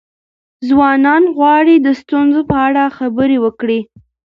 ځوانان غواړي د ستونزو په اړه خبرې وکړي.